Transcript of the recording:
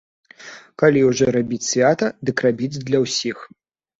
Калі ўжо рабіць свята, дык рабіць для ўсіх.